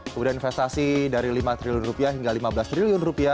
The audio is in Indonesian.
kemudian investasi dari lima triliun rupiah hingga lima belas triliun rupiah